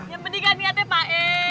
yang penting kan niatnya pak e